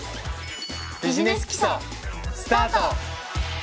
「ビジネス基礎」スタート！